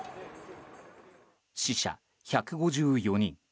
死者１５４人。